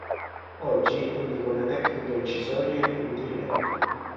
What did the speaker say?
Oggi indica una tecnica incisoria indiretta.